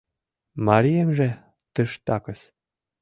Мариемже тыштакыс...